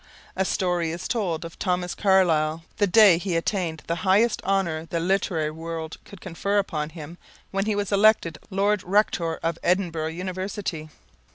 A story is told of Thomas Carlyle the day he attained the highest honor the literary world could confer upon him when he was elected Lord Rector of Edinburgh University.